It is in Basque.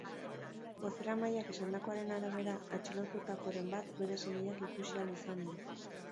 Bozeramaileak esandakoaren arabera, atxilotutakoren bat bere senideak ikusi ahal izan du.